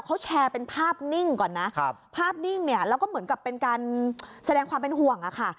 เขาแชร์เป็นภาพนิ่งก่อนนะครับภาพนิ่งเนี่ยแล้วก็เหมือนกับเป็นการแสดงความเป็นห่วงอะค่ะ